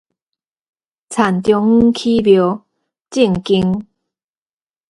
田中央起廟，正經